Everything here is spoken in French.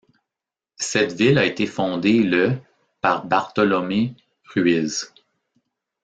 Cette ville a été fondée le par Bartolomé Ruiz.